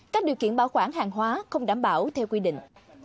các điều kiện bảo quản hàng hóa không đảm bảo theo quy định